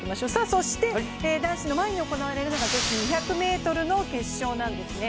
そして男子の前に行われるのが女子２００ｍの決勝なんですね。